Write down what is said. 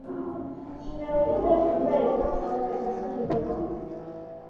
შმეული და ბრუნო იყვნენ საუკეთესო მეგობრები